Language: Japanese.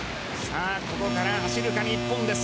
ここから走るか、日本です。